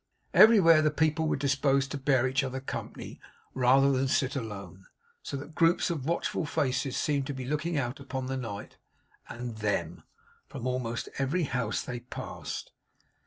Everywhere the people were disposed to bear each other company rather than sit alone; so that groups of watchful faces seemed to be looking out upon the night AND THEM, from almost every house they passed.